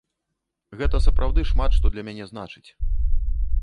Гэта сапраўды шмат што для мяне значыць.